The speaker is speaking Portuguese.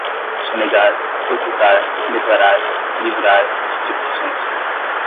sonegar, ocultar, declarar, livrar, stricto sensu